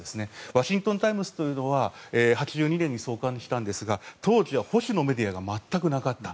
ワシントン・タイムズというのは８２年に創刊したんですが当時は保守のメディアが全くなかった。